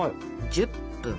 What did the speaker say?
１０分。